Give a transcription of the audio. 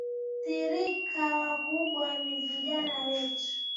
thirika wakubwa ni vijana wetu